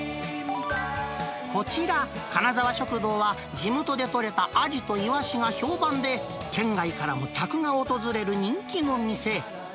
こちら、金沢食堂は、地元で取れたアジとイワシが評判で、県外からも客が訪れる人気の店。